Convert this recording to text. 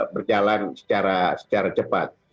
berjalan secara cepat